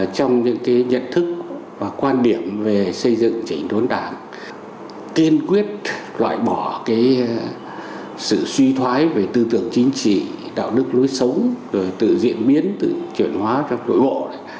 trong những nhận thức và quan điểm về xây dựng chỉnh đốn đảng kiên quyết loại bỏ sự suy thoái về tư tưởng chính trị đạo đức lối sống tự diễn biến tự chuyển hóa trong nội bộ